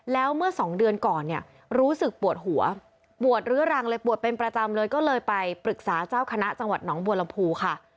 แล้วเมื่อสองเดือนก่อนเนี่ยรู้สึกปวดหัวปวดเรื้อรังเลยปวดเป็นประจำเลยก็เลยไปปรึกษาเจ้าคณะจังหวัดหนองบัวลำพูค่ะ